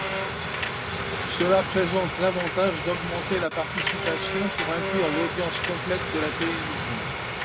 Cela présente l’avantage d’augmenter la participation pour inclure l’audience complète de la télévision.